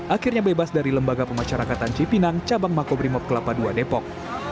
akhirnya bebas dari lembaga pemasyarakatan cipinang cabang makobrimob kelapa ii depok